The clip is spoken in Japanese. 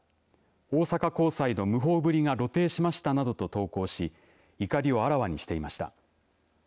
大阪高裁の無法ぶりが露呈しましたなどと投稿し怒りをあらわにしていました。